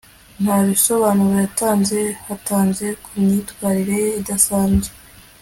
nta bisobanuro yatanze yatanze ku myitwarire ye idasanzwe